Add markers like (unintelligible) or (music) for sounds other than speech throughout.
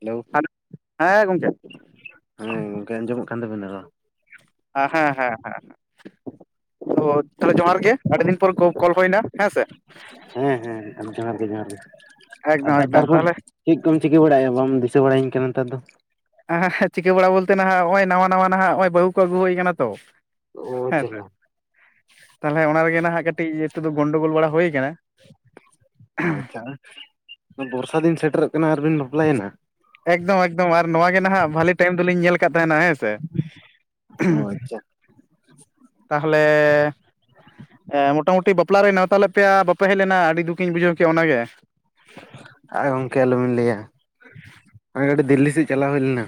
Hello ᱦᱮᱸ ᱜᱚᱝᱠᱮ᱾ ᱦᱮᱸ ᱜᱚᱢᱠᱮ ᱟᱸᱡᱚᱢᱚᱜ ᱠᱟᱱ ᱛᱟᱵᱮᱱᱟ ᱨᱚᱲᱺ ᱦᱮᱸ, ᱦᱮᱸ, ᱦᱮᱸ᱾ ᱛᱚ ᱛᱟᱦᱚᱞᱮ ᱡᱚᱦᱟᱨ ᱜᱮ ᱟᱹᱰᱤ ᱫᱤᱱ ᱯᱚᱨ ᱠᱚᱞ ᱦᱩᱭᱱᱟ ᱦᱮᱸ ᱥᱮ᱾ ᱦᱮᱸ ᱦᱮᱸ ᱡᱚᱦᱟᱨ ᱜᱮ, ᱡᱚᱦᱟᱨ ᱮᱠᱫᱚᱢ ᱜᱮ, ᱛᱟᱨ ᱮᱠᱫᱚᱢ ᱛᱟᱦᱚᱞᱮ ᱪᱮᱫ ᱠᱚᱢ ᱪᱤᱠᱟᱹ ᱵᱟᱲᱟᱭᱮᱜ-ᱟ ᱵᱟᱢ ᱫᱤᱥᱟᱹ ᱵᱟᱲᱟᱭᱟᱹᱧ ᱠᱟᱱᱟ ᱱᱮᱛᱟᱨ ᱫᱚ? ᱪᱤᱠᱟᱹ ᱵᱟᱲᱟ ᱵᱚᱞᱛᱮ ᱱᱟᱦᱟᱜ ᱱᱚᱜᱼᱚᱭ ᱱᱟ ᱱᱟᱣᱟ ᱱᱟᱦᱟᱜ ᱱᱚᱜᱼᱚᱭ ᱵᱟᱹᱦᱩ ᱠᱚ ᱟᱹᱜᱩ ᱦᱩᱭ ᱠᱟᱱᱟ ᱛᱚ᱾ ᱚ ᱦᱮᱸ ᱡᱟᱞᱟ ᱛᱟᱦᱚᱞᱮ ᱚᱱᱟ ᱨᱮᱜᱮ ᱱᱟᱦ ᱠᱟᱹᱴᱤᱡ ᱠᱟᱹᱴᱤᱡ ᱤᱭᱟᱹ ᱛᱮᱫᱚ ᱜᱚᱸᱱᱰᱳ ᱜᱳᱞ ᱵᱟᱲᱟ ᱦᱩᱭ ᱟᱠᱟᱱᱟ᱾ ᱚ ᱟᱪᱪᱷᱟ ᱵᱚᱨᱥᱟ ᱫᱤᱱ ᱥᱮᱴᱮᱨᱚᱜ ᱠᱟᱱᱟ ᱟᱨᱵᱤᱱ ᱵᱟᱯᱞᱟᱭᱮᱱᱟ? ᱮᱠᱫᱚᱢ ᱮᱠᱫᱚᱢ ᱟᱨ ᱱᱚᱣᱟ ᱜᱮ ᱱᱟᱦᱟᱜ ᱵᱷᱟᱞᱤ ᱴᱟᱭᱤᱢ ᱫᱚᱞᱤᱧ ᱧᱮᱞ ᱠᱟᱜ ᱛᱟᱦᱮᱱᱟ ᱦᱮᱸ ᱥᱮ᱾ ᱚ ᱟᱪᱪᱷᱟ ᱛᱟᱦᱚᱞᱮ ᱢᱚᱴᱟᱢᱩᱴᱤ ᱵᱟᱯᱞᱟ ᱨᱮ ᱱᱮᱣᱛᱟ ᱞᱮᱫ ᱯᱮᱭᱟ ᱵᱟᱯᱮ ᱦᱮᱡ ᱞᱮᱱᱟ ᱟᱹᱰᱤ ᱫᱩᱠᱤᱧ ᱵᱩᱡᱷᱟᱹᱣ ᱠᱮᱭᱟ ᱚᱱᱟ ᱜᱮ᱾ ᱟᱨ ᱜᱚᱢᱠᱮ ᱟᱞᱚᱢ ᱞᱟᱹᱭᱟ᱾ ᱠᱟᱴᱤᱜ ᱫᱤᱞᱞᱤ ᱥᱮᱫ ᱪᱟᱞᱟᱣ ᱦᱩᱭ ᱞᱮᱱᱟ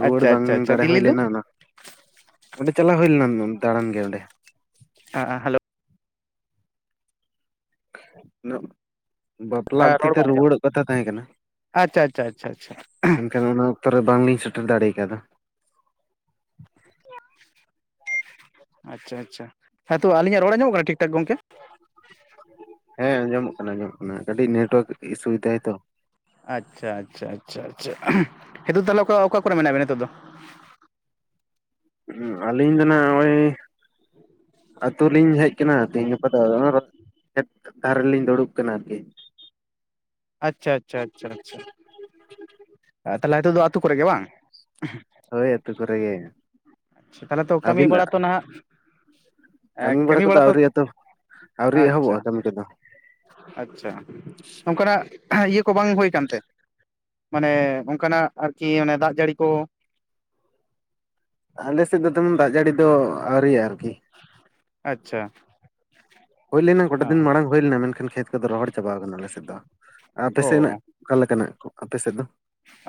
ᱨᱩᱣᱟᱹᱲ ᱟᱪᱪᱷᱟ ᱵᱟᱝ ᱟᱪᱪᱷᱟ ᱟᱪᱪᱷᱟ ᱫᱟᱲᱮ ᱦᱩᱭ ᱫᱤᱞᱞᱤ ᱫᱚ ᱞᱮᱱᱟ ᱚᱱᱟ ᱚᱸᱰᱮ ᱪᱟᱞᱟᱣ ᱦᱩᱭ ᱞᱮᱱᱟ ᱫᱟᱬᱟᱱ ᱜᱮ ᱚᱸᱰᱮ᱾ ᱦᱮᱞᱳ᱾ (unintelligible) ᱵᱟᱯᱞᱟ ᱚᱠᱛᱮ ᱨᱚᱲ ᱛᱮ ᱵᱟᱝ ᱟᱸᱡᱚᱢᱚᱜ ᱨᱩᱣᱟᱹᱲᱚᱜ ᱠᱟᱛᱷᱟ ᱛᱟᱦᱮᱸ ᱠᱟᱱᱟ, ᱟᱪᱪᱷᱟ ᱟᱪᱪᱷᱟ ᱟᱪᱪᱷᱟ ᱟᱪᱪᱷᱟ ᱢᱮᱱᱠᱷᱟᱱ ᱚᱱᱟ ᱚᱠᱛᱚ ᱨᱮ ᱵᱟᱝᱞᱤᱧ ᱥᱮᱴᱮᱨ ᱫᱟᱲᱮ ᱟᱠᱟᱣᱫᱟ᱾ ᱟᱪᱪᱷᱟ ᱟᱪᱪᱷᱟ ᱦᱮᱸ ᱛᱚ ᱟᱹᱞᱤᱧᱟᱜ ᱨᱚᱲ ᱧᱟᱢᱚᱜ ᱠᱟᱱᱟ ᱴᱷᱤᱠ ᱴᱷᱟᱠ ᱜᱚᱝᱠᱮ? ᱦᱮᱸ ᱟᱸᱡᱚᱢᱚᱜ ᱠᱟᱱᱟ ᱟᱸᱡᱚᱢᱚᱜ ᱠᱟᱱᱟ ᱠᱟᱹᱴᱤᱡ ᱱᱮᱴᱳᱣᱟᱨᱠ ᱤᱥᱩᱭᱫᱟᱭ ᱛᱚ᱾ ᱟᱪᱪᱷᱟ, ᱟᱪᱪᱷᱟ, ᱟᱪᱷᱟ, ᱟᱪᱷᱟ ᱦᱤᱛᱳ ᱛᱟᱦᱞᱮ ᱚᱠᱟ-ᱚᱠᱟ ᱠᱚᱨᱮ ᱢᱮᱱᱟᱜ ᱵᱮᱱᱟ ᱱᱤᱛᱚᱜ ᱫᱚ? ᱟᱹᱞᱤᱧ ᱫᱚ ᱱᱟᱜ ᱱᱚᱜ-ᱚᱭ ᱟᱛᱳ ᱞᱤᱧ ᱦᱮᱡ ᱠᱟᱱᱟ ᱛᱮᱦᱤᱧ ᱜᱟᱯᱟ ᱫᱚ᱾ ᱫᱷᱟᱨ ᱨᱮ ᱞᱤᱧ ᱫᱩᱲᱩᱵ ᱠᱟᱱᱟ ᱟᱨᱠᱤ᱾ ᱟᱪᱪᱷᱟ, ᱟᱪᱪᱷᱟ, ᱟᱪᱷᱟ ᱾ ᱛᱟᱦᱞᱮ ᱱᱤᱛᱚᱜ ᱫᱚ ᱟᱹᱛᱩ ᱠᱚᱨᱮᱜ ᱜᱮ ᱵᱟᱝ? ᱦᱳᱭ ᱟᱹᱛᱩ ᱠᱚᱨᱮ ᱜᱮ᱾ ᱛᱟᱦᱚᱞᱮ ᱛᱚ ᱠᱟᱹᱢᱤ ᱵᱟᱲᱟ ᱟᱹᱵᱤᱱᱟᱜ ᱛᱚ ᱱᱟᱦᱟᱜ ᱮ ᱠᱟᱹᱢᱤ ᱠᱚᱫᱚ ᱵᱟᱲᱟ ᱛᱚ, ᱟᱹᱣᱨᱤ ᱟᱛᱚ ᱟᱹᱣᱨᱤ ᱟᱪᱪᱷᱟ᱾ ᱮᱦᱚᱵᱚᱜᱼᱟ ᱠᱟᱹᱢᱤ ᱠᱚᱫᱚ ᱟᱪᱪᱷᱟ ᱱᱚᱝᱠᱟᱱᱟᱜ ᱤᱭᱟᱹ ᱠᱚ ᱵᱟᱝ ᱦᱩᱭ ᱠᱟᱱᱛᱮ ᱢᱟᱱᱮ ᱚᱱᱠᱟᱱᱟᱜ ᱟᱨᱠᱤ ᱚᱱᱮ ᱫᱟᱜ ᱡᱟᱹᱲᱤ ᱠᱚ ᱟᱞᱮ ᱥᱮᱫ ᱫᱚ ᱛᱮᱢᱚᱱ ᱫᱟᱜ ᱡᱟᱹᱲᱤ ᱫᱚ ᱟᱣᱨᱤᱭᱟᱜᱼᱟ ᱟᱨᱠᱤ ᱟᱪᱪᱷᱟ ᱦᱩᱭ ᱞᱮᱱᱟ ᱜᱚᱴᱟ ᱫᱤᱱ ᱢᱟᱲᱟᱝ ᱦᱩᱭ ᱞᱮᱱᱟ ᱢᱮᱱᱠᱷᱟᱱ ᱠᱷᱮᱛ ᱠᱚᱫᱚ ᱨᱚᱦᱚᱲ ᱪᱟᱵᱟᱣ ᱟᱠᱟᱱᱟ ᱟᱞᱮ ᱥᱮᱫ ᱫᱚ ᱟᱯᱮ ᱥᱮᱫ ᱨᱮᱱᱟᱜ ᱚ ᱚᱠᱟ ᱞᱮᱠᱟᱱᱟᱜ ᱠᱚ ᱟᱯᱮ ᱥᱮᱫ ᱫᱚ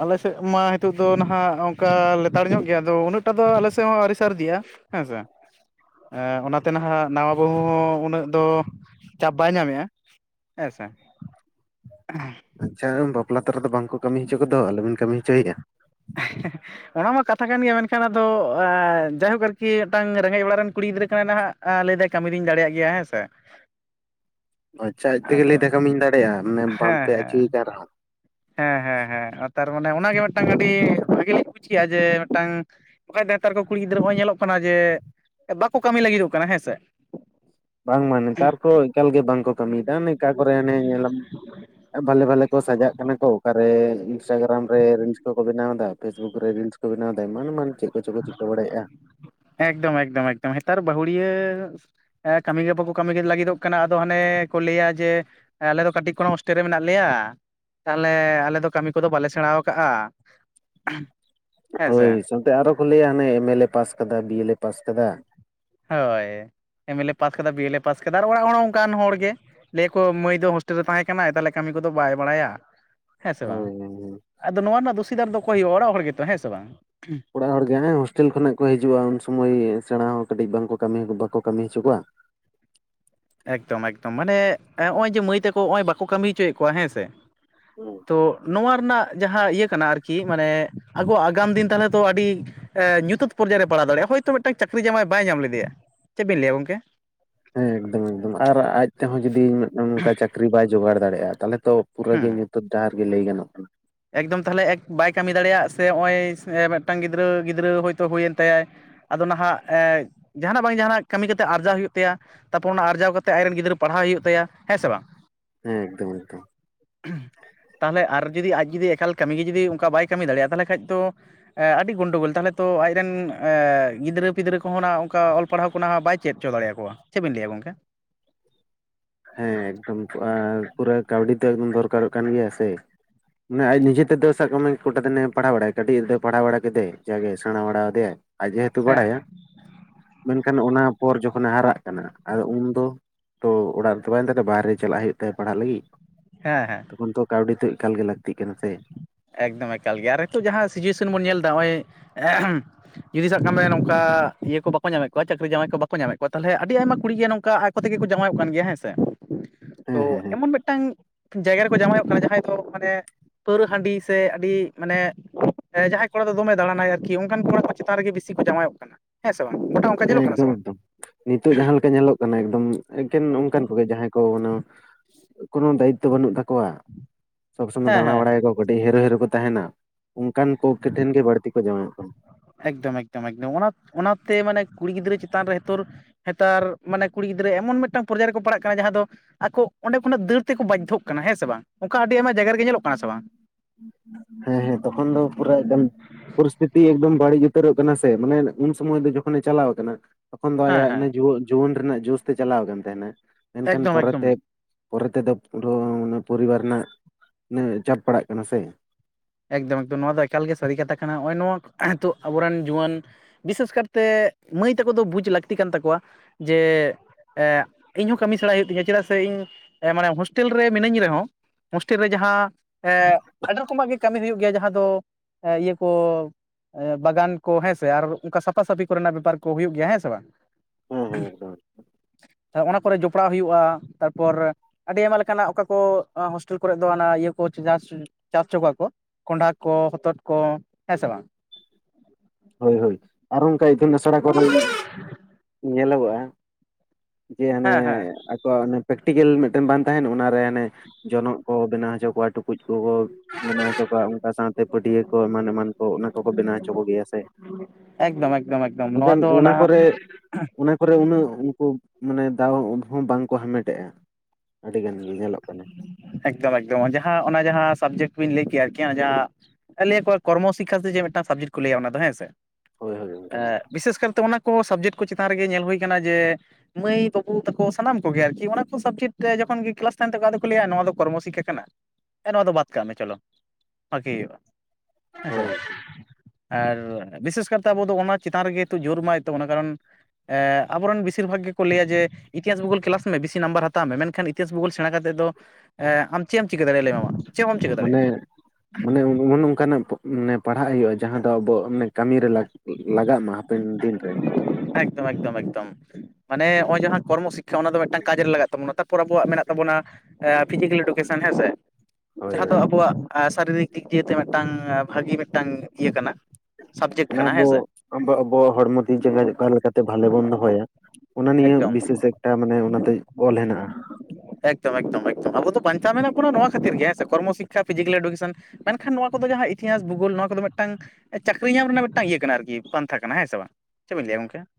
ᱟᱞᱮᱥᱮᱫ ᱢᱟ ᱱᱤᱛᱚᱜ ᱫᱚ ᱱᱟᱦᱟᱜ ᱚᱱᱠᱟ ᱞᱮᱛᱟᱲ ᱧᱚᱜ ᱜᱮᱭᱟ ᱟᱫᱚ ᱩᱱᱟᱹᱜᱴᱟ ᱫᱚ ᱟᱞᱮᱥᱮᱫ ᱦᱚᱸ ᱟᱹᱨᱤ ᱥᱟᱹᱨᱤᱫᱤᱜᱼᱟ ᱾ ᱦᱮᱸᱥᱮ ᱚᱱᱟᱛᱮ ᱱᱟᱦᱟᱜ ᱱᱟᱣᱟ ᱵᱟᱹᱦᱩ ᱦᱚᱸ ᱩᱱᱟᱹᱜ ᱫᱚ ᱪᱟᱯ ᱵᱟᱭ ᱧᱟᱢᱮᱫᱼᱟ ᱦᱮᱸᱥᱮ (unintelligible) ᱟᱪᱪᱷᱟ ᱵᱟᱯᱞᱟ ᱛᱟᱨᱟ ᱨᱮᱫᱚ ᱵᱟᱝᱠᱚ ᱠᱟᱢᱤ ᱦᱚᱪᱚ ᱠᱚᱫᱚ ᱟᱞᱚᱵᱤᱱ ᱠᱟᱢᱤ ᱦᱚᱪᱚᱭᱮᱭᱟ (unintelligible) ᱚᱱᱟ ᱢᱟ ᱠᱟᱛᱷᱟ ᱠᱟᱱ ᱜᱮᱭᱟ ᱢᱮᱱᱠᱷᱟᱱ ᱟᱫᱚ ᱡᱟᱭᱦᱳᱠ ᱟᱨᱠᱤ ᱢᱤᱫᱴᱟᱝ ᱨᱮᱸᱜᱮᱡ ᱚᱲᱟᱜ ᱨᱮᱱ ᱠᱩᱲᱤ ᱜᱤᱫᱽᱨᱟᱹ ᱠᱟᱱᱟᱭ ᱱᱟᱦᱟᱜ ᱮ ᱞᱟᱹᱭᱫᱟᱭ ᱠᱟᱢᱤ ᱫᱩᱧ ᱫᱟᱲᱮᱭᱟᱜ ᱜᱮᱭᱟ ᱦᱮᱸ ᱥᱮ ᱟᱪᱪᱷᱟ ᱟᱡ ᱛᱮᱜᱮ ᱞᱟᱹᱭ ᱟᱫᱚ ᱫᱟ ᱠᱟᱹᱢᱤᱧ ᱫᱟᱲᱮᱭᱟᱜᱼᱟ ᱢᱟᱱᱮ ᱦᱮᱸ ᱵᱟᱢᱯᱮ ᱟᱹᱪᱚᱭᱮ ᱦᱮᱸ ᱠᱟᱱ ᱨᱮᱦᱚᱸ ᱦᱮᱸ ᱦᱮᱸ ᱦᱮᱸ ᱛᱟᱨ ᱢᱟᱱᱮ ᱚᱱᱟᱜᱮ ᱢᱤᱫᱴᱟᱝ ᱟᱹᱰᱤ ᱵᱷᱟᱜᱤ ᱞᱤᱧ ᱵᱩᱡᱽ ᱠᱮᱫᱼᱟ ᱡᱮ ᱢᱤᱫᱴᱟᱝ ᱵᱟᱠᱷᱟᱡ ᱫᱚ ᱱᱮᱛᱟᱨ ᱠᱚ ᱠᱩᱲᱤ ᱜᱤᱫᱽᱨᱟᱹ ᱱᱚᱜᱼᱚᱭ ᱧᱮᱞᱚᱜ ᱠᱟᱱᱟ ᱡᱮ ᱵᱟᱠᱚ ᱠᱟᱢᱤ ᱞᱟᱜᱤᱫᱚᱜ ᱠᱟᱱᱟ ᱦᱮᱸᱥᱮ ᱵᱟᱝᱢᱟ ᱱᱮᱛᱟᱨ ᱠᱚ ᱮᱠᱟᱞᱜᱮ ᱵᱟᱝᱠᱚ ᱠᱟᱹᱢᱤᱭᱮᱫᱟ ᱱᱮᱠᱟ ᱠᱚᱨᱮ ᱦᱮ ᱧᱮᱞᱟᱢ ᱵᱷᱟᱞᱮ ᱵᱷᱟᱞᱮ ᱠᱚ ᱥᱟᱡᱟᱜ ᱠᱟᱱᱟ ᱠᱚ ᱚᱠᱟᱨᱮ ᱤᱱᱥᱴᱟᱜᱨᱟᱢ ᱨᱮ ᱨᱤᱞᱥ ᱠᱚᱠᱚ ᱵᱮᱱᱟᱣ ᱮᱫᱟ ᱯᱷᱮᱥᱵᱩᱠ ᱨᱮ ᱨᱤᱞᱥ ᱠᱚ ᱵᱮᱱᱟᱣ ᱮᱫᱟ ᱮᱢᱟᱱ ᱮᱢᱟᱱ ᱪᱮᱫ ᱠᱚᱪᱚ ᱠᱚ ᱪᱤᱠᱟᱹ ᱵᱟᱲᱟᱭᱮᱫᱼᱟ ᱮᱠᱫᱚᱢ ᱮᱠᱫᱚᱢ ᱮᱠᱫᱚᱢ ᱦᱮᱸᱛᱟᱨ ᱵᱟᱦᱩᱲᱤᱭᱟᱹ ᱦᱮᱸ ᱠᱟᱢᱤ ᱜᱮ ᱵᱟᱠᱚ ᱠᱟᱢᱤ ᱞᱟᱜᱤᱫᱚᱜ ᱠᱟᱱᱟ ᱟᱫᱚ ᱦᱟᱱᱮ ᱠᱚ ᱞᱟᱹᱭᱟ ᱡᱮ ᱟᱞᱮ ᱫᱚ ᱠᱟᱴᱤᱡ ᱠᱷᱚᱱᱟᱜ ᱦᱳᱥᱴᱮᱞ ᱨᱮ ᱢᱮᱱᱟᱜ ᱞᱮᱭᱟ ᱛᱟᱦᱞᱮ ᱟᱞᱮ ᱫᱚ ᱠᱟᱢᱤ ᱠᱚᱫᱚ ᱵᱟᱞᱮ ᱥᱮᱬᱟᱣ ᱠᱟᱜᱼᱟ ᱦᱳᱭ ᱥᱟᱶᱛᱮ ᱟᱨᱚ ᱠᱚ ᱞᱟᱹᱭᱟ ᱦᱟᱱᱮ ᱮᱢᱮ ᱞᱮ ᱯᱟᱥ ᱟᱠᱟᱫᱟ ᱵᱤᱭᱮ ᱞᱮ ᱯᱟᱥ ᱠᱟᱫᱟ ᱦᱳᱭ ᱮᱢᱮ ᱞᱮ ᱯᱟᱥ ᱠᱟᱫᱟ ᱵᱤᱭᱮ ᱞᱮ ᱯᱟᱥ ᱠᱟᱫᱟ ᱟᱨ ᱚᱲᱟᱜ ᱦᱚᱲ ᱚᱱᱠᱟᱱ ᱦᱚᱲ ᱜᱮ ᱞᱟᱹᱭᱟᱠᱚ ᱢᱟᱹᱭ ᱫᱚ ᱦᱳᱥᱴᱮᱞ ᱨᱮ ᱛᱟᱦᱮᱸ ᱠᱟᱱᱟᱭ ᱛᱟᱦᱚᱞᱮ ᱠᱟᱢᱤ ᱠᱚᱫᱚ ᱵᱟᱭ ᱵᱟᱲᱟᱭᱟ ᱦᱮᱸ ᱥᱮ ᱵᱟᱝ ᱦᱳᱭ ᱦᱳᱭ ᱟᱫᱚ ᱱᱚᱣᱟ ᱨᱮᱱᱟᱜ ᱫᱩᱥᱤ ᱫᱟᱨ ᱫᱚ ᱚᱠᱚᱭ ᱦᱩᱭᱩᱜᱼᱟ ᱚᱲᱟᱜ ᱦᱚᱲ ᱜᱮᱛᱚ ᱦᱮᱸ ᱥᱮ ᱵᱟᱝ ᱚᱲᱟᱜ ᱦᱚᱲ ᱜᱮ ᱦᱟᱸᱜ ᱦᱳᱥᱴᱮᱞ ᱠᱷᱚᱱᱟᱜ ᱠᱚ ᱦᱤᱡᱩᱜᱼᱟ ᱩᱱ ᱥᱚᱢᱚᱭ ᱥᱮᱬᱟ ᱦᱚᱸ ᱠᱟᱹᱴᱤᱡ ᱵᱟᱝ ᱠᱚ ᱠᱟᱹᱢᱤ ᱵᱟᱠᱚ ᱠᱟᱹᱢᱤ ᱦᱚᱪᱚ ᱠᱚᱣᱟ ᱮᱠᱫᱚᱢ ᱮᱠᱫᱚᱢ ᱢᱟᱱᱮ ᱱᱚᱜᱼᱚᱭ ᱡᱮ ᱢᱟᱹᱭ ᱛᱟᱠᱚ ᱱᱚᱜᱼᱚᱭ ᱵᱟᱠᱚ ᱠᱟᱹᱢᱤ ᱦᱚᱪᱚᱭᱮᱫ ᱠᱚᱣᱟ ᱦᱮᱸ ᱥᱮ ᱦᱩᱸ ᱛᱚ ᱱᱚᱣᱟ ᱨᱮᱱᱟᱜ ᱡᱟᱦᱟᱸ ᱤᱭᱟᱹ ᱠᱟᱱᱟ ᱟᱨᱠᱤ ᱢᱟᱱᱮ ᱟᱵᱚ ᱟᱜᱟᱢ ᱫᱤᱱ ᱛᱟᱦᱚᱞᱮ ᱛᱚ ᱟᱰᱤ ᱧᱩᱛᱟᱹᱛ ᱯᱚᱨᱡᱟᱭ ᱨᱮ ᱯᱟᱲᱟᱣ ᱫᱟᱲᱮᱭᱟᱜᱼᱟ ᱦᱳᱭᱛᱳ ᱢᱤᱫᱴᱟᱝ ᱪᱟᱹᱠᱨᱤ ᱡᱟᱢᱟᱭ ᱵᱟᱭ ᱧᱟᱢ ᱞᱮᱫᱮᱭᱟ ᱪᱮᱫ ᱵᱤᱱ ᱞᱟᱹᱭᱟ ᱜᱚᱝᱠᱮ ᱦᱮᱸ ᱮᱠᱫᱚᱢ ᱮᱠᱫᱚᱢ ᱟᱨ ᱟᱡ ᱛᱮᱦᱚᱸ ᱡᱩᱫᱤ ᱢᱤᱫᱴᱟᱝ ᱱᱚᱝᱠᱟ ᱪᱟᱹᱠᱨᱤ ᱵᱟᱭ ᱡᱳᱜᱟᱲ ᱫᱟᱲᱮᱜᱼᱟ ᱛᱟᱦᱚᱞᱮ ᱛᱚ ᱯᱩᱨᱟᱹ ᱦᱮᱸ ᱜᱮ ᱧᱩᱛᱟᱹᱛ ᱰᱟᱦᱟᱨ ᱜᱮ ᱞᱟᱹᱭ ᱜᱟᱱᱚᱜ ᱠᱟᱱᱟ ᱾ ᱮᱠᱫᱚᱢ ᱛᱟᱦᱚᱞᱮ ᱮᱠ ᱵᱟᱭ ᱠᱟᱢᱤ ᱫᱟᱲᱮᱭᱟᱜ ᱥᱮ ᱱᱚᱜᱼᱚᱭ ᱢᱤᱫᱴᱟᱝ ᱜᱤᱫᱽᱨᱟᱹ ᱜᱤᱫᱽᱨᱟᱹ ᱦᱳᱭᱛᱳ ᱦᱩᱭᱮᱱ ᱛᱟᱭᱟᱭ ᱟᱫᱚ ᱱᱟᱦᱟᱜ ᱡᱟᱦᱟᱱᱟᱜ ᱵᱟᱝ ᱡᱟᱦᱟᱱᱟᱜ ᱠᱟᱢᱤ ᱠᱟᱛᱮᱫ ᱟᱨᱡᱟᱣ ᱦᱩᱭᱩᱜ ᱛᱟᱭᱟ ᱛᱟᱨᱯᱚᱨ ᱚᱱᱟ ᱟᱨᱡᱟᱣ ᱠᱟᱛᱮᱫ ᱟᱡ ᱨᱮᱱ ᱜᱤᱫᱽᱨᱟᱹ ᱯᱟᱲᱦᱟᱣ ᱦᱩᱭᱩᱜ ᱛᱟᱭᱟ ᱦᱮᱸ ᱥᱮ ᱵᱟᱝ ᱦᱮᱸ ᱮᱠᱫᱚᱢ ᱮᱠᱫᱚᱢ ᱛᱟᱦᱞᱮ ᱟᱨ ᱡᱩᱫᱤ ᱟᱡ ᱡᱩᱫᱤ ᱮᱠᱟᱞ ᱠᱟᱢᱤ ᱜᱤ ᱡᱩᱫᱤ ᱚᱱᱠᱟ ᱵᱟᱭ ᱠᱟᱹᱢᱤ ᱫᱟᱲᱮᱭᱟᱜᱼᱟ ᱛᱟᱦᱚᱞᱮ ᱠᱷᱟᱡ ᱫᱚ ᱟᱰᱤ ᱜᱚᱱᱰᱳᱜᱳᱞ ᱛᱟᱦᱚᱞᱮ ᱛᱚ ᱟᱡᱨᱮᱱ ᱜᱤᱫᱽᱨᱟᱹ ᱯᱤᱫᱽᱨᱟᱹ ᱠᱚᱦᱚᱸ ᱱᱟᱜ ᱚᱱᱠᱟ ᱚᱞ ᱯᱟᱲᱦᱟᱣ ᱠᱚ ᱚᱱᱟ ᱵᱟᱭ ᱪᱮᱫ ᱪᱚ ᱫᱟᱲᱮᱭᱟᱠᱚᱣᱟ ᱪᱮᱫᱵᱤᱱ ᱞᱟᱹᱭᱟ ᱜᱚᱝᱠᱮ ᱦᱮᱸ ᱮᱠᱫᱚᱢ ᱯᱩᱨᱟᱹ ᱠᱟᱣᱰᱤ ᱫᱚ ᱮᱠᱫᱚᱢ ᱫᱚᱨᱠᱟᱨᱚᱜ ᱠᱟᱱ ᱜᱮᱭᱟ ᱥᱮ ᱢᱟᱱᱮ ᱟᱡ ᱱᱤᱡᱮ ᱛᱮᱫᱚ ᱥᱟᱵ ᱠᱟᱜ ᱢᱮ ᱠᱚᱴᱟ ᱫᱤᱱᱮ ᱯᱟᱲᱦᱟᱣ ᱵᱟᱲᱟᱭᱟ ᱠᱟᱹᱴᱤᱡ ᱨᱮ ᱫᱚ ᱯᱟᱲᱦᱟᱣ ᱵᱟᱲᱟ ᱠᱮᱫᱮ ᱡᱟᱜᱮ ᱥᱮᱬᱟ ᱵᱟᱲᱟ ᱟᱫᱮᱭᱟᱭ ᱟᱨ ᱡᱮᱦᱮᱛᱩ ᱦᱮᱸ ᱵᱟᱲᱟᱭᱟ ᱦᱮᱸ ᱢᱮᱱᱠᱷᱟᱱ ᱚᱱᱟ ᱯᱚᱨ ᱡᱚᱠᱷᱚᱱᱮ ᱦᱟᱨᱟᱜ ᱠᱟᱱᱟ ᱟᱫᱚ ᱩᱱ ᱫᱚ ᱛᱚ ᱚᱲᱟᱜ ᱨᱮ ᱛᱚᱵᱮᱱᱛᱮ ᱵᱟᱨᱦᱮ ᱪᱟᱞᱟᱜ ᱦᱩᱭᱩᱜ ᱛᱟᱭᱟ ᱯᱟᱲᱦᱟᱜ ᱞᱟᱹᱜᱤᱫ᱾ ᱦᱮᱸ ᱦᱮᱸ ᱛᱚᱠᱷᱚᱱ ᱛᱚ ᱠᱟᱹᱣᱰᱤ ᱛᱚ ᱮᱠᱟᱞ ᱜᱮ ᱞᱟᱹᱠᱛᱤ ᱠᱟᱱᱟ ᱥᱮ ᱮᱠᱫᱚᱢ ᱮᱠᱟᱞ ᱜᱮ ᱟᱨ ᱱᱤᱛᱚᱜ ᱡᱟᱦᱟᱸ ᱥᱤᱪᱩᱭᱮᱥᱚᱱ ᱵᱚᱱ ᱧᱮᱞᱫᱟ ᱱᱚᱜᱼᱚᱭ ᱡᱩᱫᱤ ᱥᱟᱵ ᱠᱟᱜ ᱢᱮ ᱱᱚᱝᱠᱟ ᱤᱭᱟᱹ ᱠᱚ ᱵᱟᱠᱚ ᱧᱟᱢᱮᱫ ᱠᱚᱣᱟ ᱪᱟᱹᱠᱨᱤ ᱡᱟᱶᱟᱭ ᱠᱚ ᱵᱟᱠᱚ ᱧᱟᱢᱮᱫ ᱠᱚᱣᱟ ᱛᱟᱦᱚᱞᱮ ᱟᱹᱰᱤ ᱟᱭᱢᱟ ᱠᱩᱲᱤ ᱜᱮ ᱱᱚᱝᱠᱟ ᱟᱡ ᱠᱚ ᱛᱮᱜᱮ ᱠᱚ ᱡᱟᱶᱟᱭᱚᱜ ᱠᱟᱱ ᱜᱮᱭᱟ ᱦᱮᱸ ᱥᱮ ᱦᱮᱸ ᱦᱮᱸ ᱛᱚ ᱦᱮᱸ ᱮᱢᱚᱱ ᱢᱤᱫᱴᱟᱝ ᱡᱟᱭᱜᱟ ᱨᱮᱠᱚ ᱡᱟᱶᱟᱭᱚᱜ ᱠᱟᱱᱟ ᱡᱟᱦᱟᱸᱭ ᱫᱚ ᱦᱟᱱᱮ ᱯᱟᱹᱣᱟᱹ ᱦᱟᱺᱰᱤᱥ ᱥᱮ ᱟᱹᱰᱤ ᱢᱟᱱᱮ ᱡᱟᱦᱟᱸᱭ ᱠᱚᱲᱟ ᱫᱚ ᱫᱚᱢᱮ ᱫᱟᱬᱟᱱᱟᱭ ᱟᱨᱠᱤ ᱚᱱᱠᱟᱱ ᱠᱚᱲᱟ ᱠᱚ ᱪᱮᱛᱟᱱ ᱨᱮᱜᱮ ᱵᱤᱥᱤ ᱠᱚ ᱡᱟᱶᱟᱭᱚᱜ ᱠᱟᱱᱟ ᱦᱮᱸ ᱥᱮ ᱵᱟᱝ ᱜᱚᱴᱟ ᱚᱱᱠᱟ ᱦᱮᱸ ᱧᱮᱞᱚᱜ ᱠᱟᱱᱟ ᱥᱮ ᱮᱠᱫᱚᱢ ᱵᱟᱝ ᱮᱠᱫᱚᱢ ᱱᱤᱛᱚᱜ ᱡᱟᱦᱟᱸ ᱞᱮᱠᱟ ᱧᱮᱞᱚᱜ ᱠᱟᱱᱟ ᱮᱠᱫᱚᱢ ᱮᱠᱮᱱ ᱚᱱᱠᱟᱱ ᱠᱚᱜᱮ ᱡᱟᱦᱟᱸᱭ ᱠᱚ ᱠᱳᱱᱳ ᱫᱟᱭᱤᱛᱛᱚ ᱵᱟᱹᱱᱩᱜ ᱛᱟᱠᱚᱣᱟ ᱥᱚᱵ ᱥᱚᱢᱚᱭ ᱦᱮᱸ ᱦᱮᱸ ᱫᱟᱬᱟ ᱦᱮᱸ ᱵᱟᱲᱟᱭᱟ ᱠᱚ ᱠᱟᱹᱴᱤᱡ ᱦᱤᱨᱳ ᱦᱤᱨᱳ ᱠᱚ ᱛᱟᱦᱮᱱᱟ ᱚᱱᱠᱟᱱ ᱠᱚ ᱴᱷᱮᱱ ᱜᱮ ᱵᱟᱹᱲᱛᱤ ᱠᱚ ᱡᱟᱶᱟᱭᱚᱜ ᱠᱟᱱᱟ ᱮᱠᱫᱚᱢ ᱮᱠᱫᱚᱢ ᱮᱠᱫᱚᱢ ᱚᱱᱟ ᱚᱱᱟᱛᱮ ᱢᱟᱱᱮ ᱠᱩᱲᱤ ᱜᱤᱫᱽᱨᱟᱹ ᱪᱮᱛᱟᱱ ᱨᱮ ᱮᱛᱚᱨ ᱱᱮᱛᱟᱨ ᱢᱟᱱᱮ ᱠᱩᱲᱤ ᱜᱤᱫᱽᱨᱟᱹ ᱮᱢᱚᱱ ᱢᱤᱫᱴᱟᱝ ᱯᱚᱨᱡᱟᱭ ᱨᱮᱠᱚ ᱯᱟᱲᱦᱟᱜ ᱠᱟᱱᱟ ᱡᱟᱦᱟᱸ ᱫᱚ ᱟᱠᱚ ᱚᱸᱰᱮ ᱠᱷᱚᱱᱟᱜ ᱫᱟᱹᱲ ᱛᱮᱠᱚ ᱵᱟᱫᱽᱫᱷᱚᱜ ᱠᱟᱱᱟ ᱦᱮᱸ ᱥᱮ ᱵᱟᱝ ᱚᱱᱠᱟ ᱟᱹᱰᱤ ᱟᱭᱢᱟ ᱡᱟᱭᱜᱟ ᱨᱮᱜᱮ ᱧᱮᱞᱚᱜ ᱠᱟᱱᱟ ᱥᱮ ᱵᱟᱝ? ᱦᱮᱸ ᱦᱮᱸ ᱛᱚᱠᱷᱚᱱ ᱫᱚ ᱯᱩᱨᱟᱹ ᱮᱠᱫᱚᱢ ᱯᱚᱨᱤᱥᱛᱷᱤᱛᱤ ᱮᱠᱫᱚᱢ ᱵᱟᱹᱲᱤᱡ ᱩᱛᱟᱹᱨᱚᱜ ᱠᱟᱱᱟ ᱥᱮ ᱢᱟᱱᱮ ᱩᱱ ᱥᱚᱢᱚᱭ ᱫᱚ ᱡᱚᱠᱷᱚᱱᱮ ᱪᱟᱞᱟᱣ ᱠᱟᱱᱟ ᱛᱚᱠᱷᱚᱱ ᱫᱚ ᱦᱮᱸ ᱦᱮᱸ ᱟᱭᱟᱜ ᱡᱩᱣᱟᱹ ᱡᱩᱣᱟᱹᱱ ᱨᱮᱱᱟᱜ ᱡᱳᱥ ᱛᱮ ᱪᱟᱞᱟᱣ ᱠᱟᱱ ᱛᱟᱦᱮᱱᱟ ᱢᱮᱱᱠᱷᱟᱱ ᱮᱠᱫᱚᱢ ᱮᱠᱫᱚᱢ ᱯᱚᱨᱮᱛᱮ ᱯᱚᱨᱮ ᱛᱮᱫᱚ ᱯᱩᱨᱟᱹ ᱯᱚᱨᱤᱵᱟᱨ ᱨᱮᱱᱟᱜ ᱪᱟᱯ ᱯᱟᱲᱟᱜ ᱠᱟᱱᱟ ᱥᱮ ᱮᱠᱫᱚᱢ ᱮᱠᱫᱚᱢ ᱱᱚᱣᱟ ᱫᱚ ᱮᱠᱟᱞ ᱜᱮ ᱥᱟᱹᱨᱤ ᱠᱟᱛᱷᱟ ᱠᱟᱱᱟ ᱱᱚᱜᱼᱚᱭ ᱱᱚᱣᱟ ᱱᱤᱛᱚᱜ ᱟᱵᱚ ᱨᱮᱱ ᱡᱩᱣᱟᱹᱱ ᱵᱤᱥᱮᱥ ᱠᱟᱨᱛᱮ ᱢᱟᱹᱭ ᱛᱟᱠᱚ ᱫᱚ ᱵᱩᱡᱽ ᱞᱟᱹᱠᱛᱤ ᱠᱟᱱ ᱛᱟᱠᱚᱣᱟ ᱡᱮ ᱮᱜ ᱤᱧ ᱦᱚᱸ ᱠᱟᱹᱢᱤ ᱥᱮᱬᱟᱭ ᱦᱩᱭᱩᱜ ᱛᱤᱧᱟᱹ ᱪᱮᱫᱟᱜ ᱥᱮ ᱤᱧ ᱢᱟᱱᱮ ᱦᱳᱥᱴᱮᱞ ᱨᱮ ᱢᱤᱱᱟᱹᱧ ᱨᱮᱦᱚᱸ ᱦᱳᱥᱴᱮᱞ ᱨᱮ ᱡᱟᱦᱟᱸ ᱮᱜ ᱟᱹᱰᱤ ᱨᱚᱠᱚᱢᱟᱜ ᱜᱮ ᱠᱟᱹᱢᱤ ᱦᱩᱭᱩᱜ ᱜᱮᱭᱟ ᱡᱟᱦᱟᱸ ᱫᱚ ᱤᱭᱟᱹ ᱠᱚ ᱵᱟᱜᱟᱱ ᱠᱚ ᱦᱮᱸ ᱥᱮ ᱟᱨ ᱚᱱᱠᱟ ᱥᱟᱯᱷᱟ ᱥᱟᱹᱯᱷᱤ ᱠᱚᱨᱮ ᱱᱟᱜ ᱵᱮᱯᱟᱨ ᱠᱚ ᱦᱩᱭᱩᱜ ᱜᱮᱭᱟ ᱦᱮᱸ ᱥᱮ ᱵᱟᱝ? ᱦᱮᱸ ᱦᱮᱸ ᱮᱠᱫᱚᱢ ᱚᱱᱟ ᱠᱚᱨᱮ ᱡᱚᱯᱲᱟᱣ ᱦᱩᱭᱩᱜᱼᱟ ᱛᱟᱨᱯᱚᱨ ᱟᱹᱰᱤ ᱟᱭᱢᱟ ᱞᱮᱠᱟᱱᱟᱜ ᱚᱠᱟ ᱠᱚ ᱦᱳᱥᱴᱮᱞ ᱠᱚᱨᱮ ᱫᱚ ᱚᱱᱟ ᱤᱭᱟᱹ ᱠᱚ ᱪᱟᱥ ᱪᱟᱥ ᱦᱚᱪᱚ ᱠᱚᱣᱟ ᱠᱚ ᱠᱚᱸᱰᱷᱟ ᱠᱚ ᱦᱚᱛᱚᱫ ᱠᱚ ᱦᱮᱸ ᱥᱮ ᱵᱟᱝ? ᱦᱳᱭ ᱦᱳᱭ ᱟᱨᱚ ᱚᱱᱠᱟ ᱤᱛᱩᱱ ᱟᱥᱲᱟ ᱠᱚᱨᱮ ᱧᱮᱞᱚᱜᱚᱜᱼᱟ ᱡᱮ ᱦᱟᱱᱮ ᱦᱮᱸ ᱦᱮᱸ ᱟᱠᱚᱣᱟᱜ ᱯᱨᱮᱠᱴᱤᱠᱮᱞ ᱢᱤᱫᱴᱮᱱ ᱵᱟᱝ ᱛᱟᱦᱮᱱ ᱚᱱᱟᱨᱮ ᱚᱱᱮ ᱡᱚᱱᱚᱜ ᱠᱚ ᱵᱮᱱᱟᱣ ᱦᱚᱪᱚ ᱠᱚᱣᱟ ᱴᱩᱠ ᱠᱩᱡ ᱠᱚᱠᱚ ᱵᱮᱱᱟᱣ ᱦᱚᱪᱚ ᱠᱚᱣᱟ ᱚᱱᱠᱟ ᱥᱟᱶᱛᱮ ᱯᱟᱹᱴᱭᱟᱹ ᱠᱚ ᱮᱢᱟᱱ ᱮᱢᱟᱱ ᱠᱚ ᱚᱱᱟ ᱠᱚ ᱠᱚ ᱵᱮᱱᱟᱣ ᱦᱚᱪᱚ ᱠᱚᱜᱮᱭᱟ ᱥᱮ ᱮᱠᱫᱚᱢ ᱮᱠᱫᱚᱢ ᱮᱠᱫᱚᱢ ᱱᱚᱣᱟ ᱢᱮᱱᱠᱷᱟᱱ ᱫᱚ ᱚᱱᱟ ᱠᱚᱨᱮ ᱱᱟᱦᱟᱜ ᱚᱱᱟ ᱠᱚᱨᱮ ᱩᱱᱟᱹᱜ ᱩᱱᱠᱩ ᱢᱟᱱᱮ ᱫᱟᱣ ᱦᱚᱸ ᱵᱟᱝ ᱠᱚ ᱦᱟᱢᱮᱴᱮᱜᱼᱟ ᱟᱹᱰᱤ ᱜᱟᱱ ᱜᱮ ᱧᱮᱞᱚᱜ ᱠᱟᱱᱟ ᱮᱠᱫᱚᱢ ᱮᱠᱫᱚᱢ ᱡᱟᱦᱟᱸ ᱚᱱᱟ ᱡᱟᱦᱟᱸ ᱥᱟᱵᱡᱮᱴ ᱵᱤᱱ ᱞᱟᱹᱭ ᱠᱮᱭᱟ ᱠᱤ ᱦᱟᱜ ᱡᱟᱦᱟ ᱞᱟᱹᱭ ᱟᱠᱚ ᱠᱚᱨᱢᱚ ᱥᱤᱠᱠᱷᱟ ᱥᱮ ᱡᱮ ᱢᱤᱫᱴᱟᱝ ᱥᱟᱵᱡᱮᱴ ᱠᱚ ᱞᱟᱹᱭᱟ ᱚᱱᱟ ᱫᱚ ᱦᱮᱸᱥᱮ ᱦᱳᱭ ᱦᱳᱭ ᱚᱱᱠᱟᱱᱟᱜ ᱜᱮ ᱵᱤᱥᱮᱥ ᱠᱟᱨᱛᱮ ᱚᱱᱟ ᱠᱚ ᱥᱟᱵᱡᱮᱴ ᱠᱚ ᱪᱮᱛᱟᱱ ᱨᱮᱜᱮ ᱧᱮᱞ ᱦᱩᱭ ᱠᱟᱱᱟ ᱡᱮ ᱢᱟᱹᱭ ᱵᱟᱹᱵᱩ ᱛᱟᱠᱚ ᱥᱟᱱᱟᱢ ᱠᱚᱜᱮ ᱟᱨᱠᱤ ᱚᱱᱟ ᱠᱚ ᱥᱟᱵᱡᱮᱴ ᱨᱤᱭᱟᱜ ᱡᱚᱠᱷᱚᱱ ᱜᱮ ᱠᱞᱟᱥ ᱛᱟᱦᱮᱱ ᱛᱟᱠᱚᱣᱟ ᱟᱫᱚᱠᱚ ᱞᱟᱹᱭᱟ ᱱᱚᱣᱟ ᱫᱚ ᱠᱚᱨᱢᱚ ᱥᱤᱠᱷᱟ ᱠᱟᱱᱟ ᱱᱚᱣᱟ ᱫᱚ ᱵᱟᱫ ᱠᱟᱜ ᱢᱮ ᱪᱚᱞᱚ ᱯᱷᱟᱠᱤ ᱦᱩᱭᱩᱜᱟ ᱦᱮᱥᱮ ᱟᱨ ᱵᱤᱥᱮᱥ ᱠᱟᱨᱛᱮ ᱟᱵᱚ ᱫᱚ ᱚᱱᱟ ᱪᱮᱛᱟᱱ ᱨᱮᱜᱮ ᱛᱚ ᱡᱳᱨ ᱮᱢᱟᱜ ᱦᱳᱭᱳᱜ ᱛᱟᱵᱳᱱᱟ ᱠᱟᱨᱚᱱ ᱮ ᱟᱵᱚᱨᱮᱱ ᱵᱮᱥᱤᱨ ᱵᱷᱟᱜᱽ ᱜᱮᱠᱚ ᱞᱟᱹᱭᱟ ᱡᱮ ᱤᱛᱤᱦᱟᱥ ᱵᱷᱩᱜᱟᱹᱞ ᱠᱮᱞᱟᱥ ᱢᱮ ᱵᱤᱥᱤ ᱱᱟᱢᱵᱟᱨ ᱦᱟᱛ ᱦᱟᱛᱟᱣ ᱢᱮ, ᱢᱮᱱᱠᱷᱟᱱ ᱤᱛᱤᱦᱟᱥ ᱵᱷᱩᱜᱚᱞ ᱥᱮᱬᱟ ᱠᱟᱛᱮᱫ ᱫᱚ ᱮ ᱟᱢ ᱪᱮᱫ ᱮᱢ ᱪᱤᱠᱟᱹ ᱫᱟᱲᱮᱭᱟᱜ-ᱟ ᱞᱟᱹᱭ ᱢᱮ ᱢᱟ ᱾ ᱢᱟᱱᱮ (inaudible) ᱢᱟᱱᱮ ᱮᱢᱚᱱ ᱚᱱᱠᱟᱱᱟᱜ ᱢᱟᱱᱮ ᱯᱟᱲᱦᱟᱜ ᱦᱩᱭᱩᱜ-ᱟ, ᱡᱟᱦᱟᱸ ᱫᱚ ᱟᱵᱚ ᱠᱟᱹᱢᱤ ᱨᱮ ᱞᱟᱜᱟᱜ ᱢᱟ ᱾ ᱯᱮᱱᱰᱤᱝ ᱨᱮ ᱮᱠᱫᱚᱢ ᱮᱠᱫᱚᱢ ᱮᱠᱫᱚᱢ ᱾ ᱢᱟᱱᱮ ᱱᱚᱜ-ᱚᱭ ᱡᱟᱦᱟᱸ ᱠᱚᱨᱢᱚ ᱥᱤᱠᱠᱷᱟ ᱚᱱᱟ ᱫᱚ ᱢᱤᱫᱴᱟᱝ ᱠᱟᱡ ᱨᱮ ᱞᱟᱜᱟᱜ ᱛᱟᱵᱚᱱᱟ ᱾ ᱛᱟᱯᱚᱨ ᱟᱵᱚᱣᱟᱜ ᱢᱮᱱᱟᱜ ᱛᱟᱵᱚᱱᱟ ᱮ ᱯᱷᱤᱡᱤᱠᱮᱞ ᱮᱰᱩᱠᱮᱥᱮᱱ ᱦᱮᱸᱥᱮ ᱾ (inaudible) ᱦᱳᱭ ᱡᱟᱦᱟ ᱫᱚ ᱦᱳᱭ ᱟᱵᱚᱣᱟᱜ ᱮ ᱥᱟᱨᱤᱨᱤᱠ ᱫᱤᱠ ᱫᱤᱭᱮᱛᱮ ᱢᱤᱫᱴᱟᱝ ᱵᱷᱟᱹᱜᱤ ᱢᱤᱫᱴᱟᱝ ᱤᱭᱟᱹ ᱠᱟᱱᱟ ᱥᱟᱵᱡᱮᱴ ᱚᱱᱟ ᱠᱟᱱᱟ ᱟᱵᱚ ᱦᱮᱸᱥᱮ ᱾ ᱟᱵᱚ ᱟᱵᱚᱣᱟᱜ ᱦᱚᱲᱢᱚ ᱛᱤ ᱡᱟᱸᱜᱟ ᱚᱠᱟ ᱞᱮᱠᱟᱛᱮ ᱵᱷᱟᱞᱮ ᱵᱚᱱ ᱫᱚᱦᱚᱭᱟ ᱚᱱᱟ ᱱᱤᱭᱮ ᱮᱠᱫᱚᱢ ᱵᱤᱥᱮᱥ ᱮᱠᱴᱟ ᱢᱟᱱᱮ ᱚᱱᱟᱛᱮ ᱚᱞ ᱦᱮᱱᱟᱜ-ᱟ ᱾ ᱮᱠᱫᱚᱢ ᱮᱠᱫᱚᱢ ᱮᱠᱫᱚᱢ ᱾ ᱟᱵᱚ ᱫᱚ ᱵᱟᱧᱪᱟᱣ ᱢᱮᱱᱟᱜ ᱵᱚᱱᱟ ᱱᱚᱣᱟ ᱠᱷᱟᱹᱛᱤᱨ ᱜᱮ ᱦᱮᱸ ᱥᱮ, ᱠᱚᱨᱢᱚ ᱥᱤᱠ ᱷᱟ ᱯᱷᱤᱡᱤᱠᱮᱞ ᱮᱰᱩᱠᱮᱥᱚᱱ, ᱢᱮᱱᱠᱷᱟᱱ ᱱᱚᱣᱟ ᱠᱚᱫᱚ ᱡᱟᱦᱟᱸ ᱤᱛᱤᱦᱟᱥ ᱵᱷᱩᱜᱳᱞ ᱱᱚᱣᱟ ᱠᱚᱫᱚ ᱢᱤᱫᱴᱟᱝ ᱪᱟᱹᱠᱨᱤ ᱧᱟᱢ ᱨᱮᱱᱟᱜ ᱢᱤᱫᱴᱟᱝ ᱤᱭᱟᱹ ᱠᱟᱱᱟ ᱟᱨᱠᱤ ᱯᱟᱱᱛᱷᱟ ᱠᱟᱱᱟ ᱦᱮᱸ ᱥᱮ ᱵᱟᱝ (inaudible) ᱪᱮᱫ ᱵᱤᱱ ᱞᱟᱹᱭᱟ ᱜᱚᱝᱠᱮ ᱾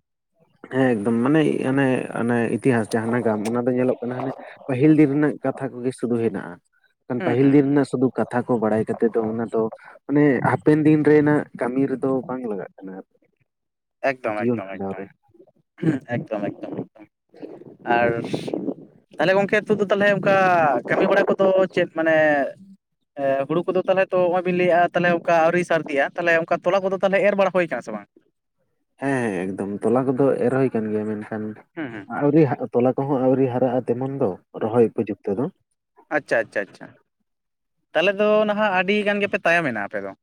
ᱦᱮᱸ ᱮᱠᱫᱚᱢ ᱾ ᱢᱟᱱᱮ ᱟᱱᱮ ᱟᱱᱮ ᱤᱛᱤᱦᱟᱥ ᱡᱟᱦᱟᱸ ᱱᱟᱜᱟᱢ ᱚᱱᱟ ᱫᱚ ᱧᱮᱞᱚᱜ ᱠᱟᱱᱟ ᱦᱟᱱᱮ ᱯᱟᱹᱦᱤᱞ ᱫᱤᱱ ᱨᱮᱱᱟᱜ ᱠᱟᱛᱷᱟ ᱠᱚᱜᱮ ᱥᱩᱫᱷᱩ ᱦᱮᱱᱟᱜ-ᱟ ᱾ ᱮᱠᱷᱟᱱ ᱦᱩᱸ ᱯᱟᱹᱦᱤᱞ ᱦᱩᱸ ᱫᱤᱱ ᱦᱩᱸ ᱨᱮᱱᱟᱜ ᱥᱩᱫᱷᱩ ᱠᱟᱛᱷᱟ ᱠᱚ ᱵᱟᱲᱟᱭ ᱠᱟᱛᱮ ᱫᱚ ᱚᱱᱟ ᱫᱚ ᱢᱟᱱᱮ ᱦᱟᱯᱮᱱ ᱫᱤᱱ ᱨᱮᱱᱟᱜ ᱠᱟᱹᱢᱤ ᱨᱮᱫᱚ ᱵᱟᱝ ᱞᱟᱜᱟᱜ ᱠᱟᱱᱟ ᱟᱨᱠᱤ ᱾ ᱮᱠᱫᱚᱢ ᱮᱠᱫᱚᱢ ᱮᱠᱫᱚᱢ ᱾ (inaudible) ᱦᱩᱸ ᱮᱠᱫᱚᱢ ᱮᱠᱫᱚᱢ ᱮᱠᱫᱚᱢ ᱾ ᱟᱨ ᱛᱟᱦᱞᱮ ᱜᱚᱝᱠᱮ (unintelligible) ᱫᱚ ᱛᱟᱦᱚᱞᱮ ᱚᱱᱠᱟ ᱠᱟᱹᱢᱤ ᱵᱟᱲᱟ ᱠᱚᱫᱚ ᱪᱮᱫ ᱢᱟᱱᱮᱻ (inaudible) ᱮ ᱦᱩᱲᱩ ᱠᱚᱫᱚ ᱛᱟᱦᱚᱞᱮ ᱛᱚ ᱱᱚᱜ-ᱚᱭᱵᱤᱱ ᱞᱟᱹᱭᱮᱫ-ᱟ ᱛᱟᱞᱦᱮ ᱚᱱᱠᱟ ᱟᱣᱨᱤ ᱥᱟᱨᱫᱤᱜ-ᱟ, ᱛᱟᱞᱦᱮ ᱚᱱᱠᱟ ᱛᱚᱞᱟ ᱠᱚᱫᱚ ᱛᱟᱦᱞᱮ ᱮᱨ ᱵᱟᱲᱟ ᱦᱩᱭ ᱟᱠᱟᱱᱟ ᱥᱮ ᱵᱟᱝ? ᱦᱮᱸ ᱦᱮᱸ ᱮᱠᱫᱚᱢ ᱛᱚᱞᱟ ᱠᱚᱫᱚ ᱮᱨ ᱦᱩᱭ ᱟᱠᱟᱱ ᱜᱮᱭᱟ, ᱢᱮᱱᱠᱷᱟᱱ ᱦᱩᱸ ᱦᱩᱸ ᱾ ᱟᱣᱨᱤ (unintelligible) ᱛᱚᱞᱟ ᱠᱚᱦᱚᱸ ᱟᱣᱨᱤ ᱦᱟᱨᱟᱜ-ᱟ ᱛᱮᱢᱚᱱ ᱫᱚ ᱨᱚᱦᱚᱭ ᱩᱯᱚᱡᱩᱠᱛᱚ ᱫᱚ ᱾ ᱟᱪᱪᱷᱟ ᱟᱪᱪᱷᱟ ᱟᱪᱪᱷᱟ ᱾ (inaudible) ᱛᱟᱦᱚᱞᱮ ᱫᱚ ᱱᱟᱦᱟᱜ ᱟᱹᱰᱤ ᱜᱟᱱ ᱜᱮᱯᱮ ᱛᱟᱭᱚᱢ ᱮᱱᱟ ᱟᱯᱮ ᱫᱚ ᱿